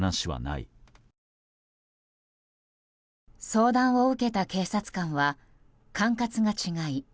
相談を受けた警察官は管轄が違い